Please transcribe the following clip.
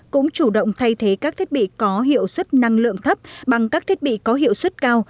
cũng chủ động thay thế các thiết bị có hiệu suất năng lượng thấp bằng các thiết bị có hiệu suất cao